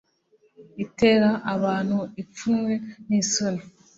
itera abantu ipfunwe n'isoni.